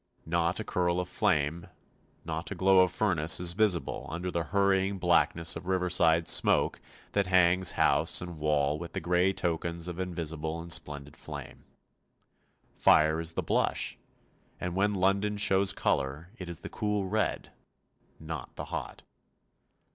Not a curl of flame, not a glow of furnace is visible under the hurrying blackness of river side smoke that hangs house and wall with the grey tokens of invisible and splendid flame. Fire is the blush, and when London shows colour it is the cool red, not the hot.